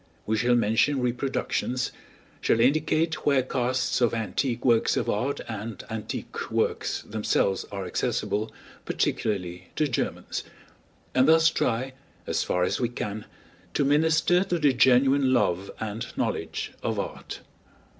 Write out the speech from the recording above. We shall mention reproductions, shall indicate where casts of antique works of art and antique works themselves are accessible, particularly to Germans; and thus try, as far as we can, to minister to the genuine love and knowledge of art.